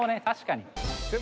確かに。